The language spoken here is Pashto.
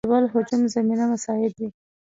د بل هجوم زمینه مساعد وي.